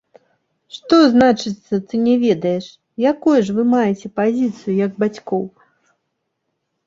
Што значыцца, ты не ведаеш, якую ж вы маеце пазіцыю як бацькоў?